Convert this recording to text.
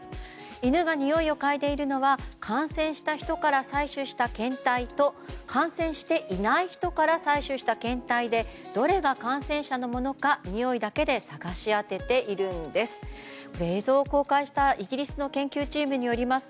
犬がにおいをかいでいるのは感染した人から採取した検体と感染していない人から採取した検体でどれが感染者のものかにおいだけで探し当てているんです。